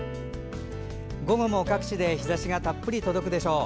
午後も各地で、日ざしがたっぷりと届くでしょう。